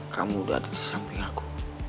kamu udah ada di samping aku